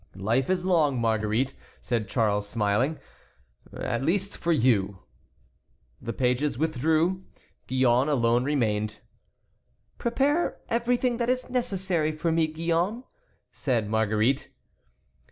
"Life is long, Marguerite," said Charles, smiling, "at least for you." The pages withdrew; Gillonne alone remained. "Prepare everything that is necessary for me, Gillonne," said Marguerite.